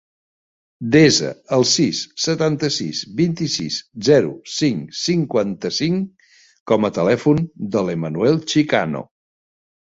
Desa el sis, setanta-sis, vint-i-sis, zero, cinc, cinquanta-cinc com a telèfon de l'Emanuel Chicano.